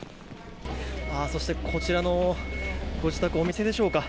そして、こちらのご自宅お店でしょうか。